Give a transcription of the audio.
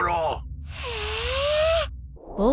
へえ！